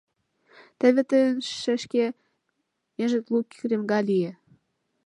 Теве тыйын, шешке, межет лу кремга лие.